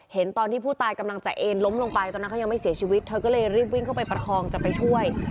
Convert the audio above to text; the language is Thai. ตอนที่ผู้ตายกำลังจะเอ็นล้มลงไปตอนนั้นเขายังไม่เสียชีวิตเธอก็เลยรีบวิ่งเข้าไปประคองจะไปช่วย